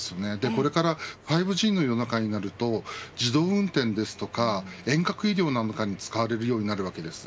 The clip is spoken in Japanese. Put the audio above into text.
これから５Ｇの世の中になると自動運転や遠隔医療などに使われるようになります。